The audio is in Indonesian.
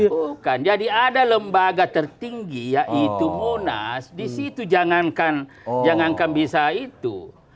bukan jadi ada lembaga tertinggi yaitu munas di situ jangankan jangankan bisa itu